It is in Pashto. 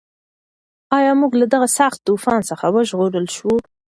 ایا موږ له دغه سخت طوفان څخه وژغورل شوو؟